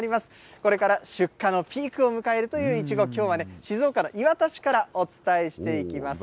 これから出荷のピークを迎えるというイチゴ、きょうは静岡の磐田市からお伝えしていきます。